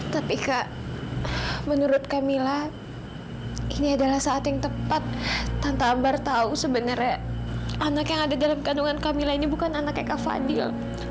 tapi kak menurut camilla ini adalah saat yang tepat tanpa ambar tahu sebenarnya anak yang ada dalam kandungan camilla ini bukan anaknya kak fadil